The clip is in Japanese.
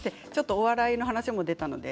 お笑いの話も出たので。